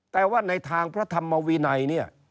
แต่ว่าในทางพระธรรมวินัยเนี่ย